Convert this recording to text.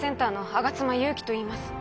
吾妻ゆうきといいます